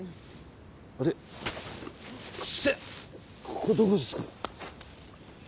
ここどこですか？